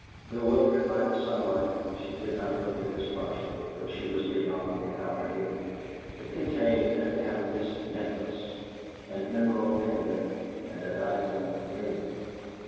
Bewildered by the sunlight, she did not look at this parcel till she was beyond the outer gate. It contained an amethyst necklace, an emerald pendant, and a diamond ring.